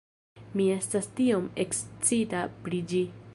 Mi estas tiom ekscita pri ĝi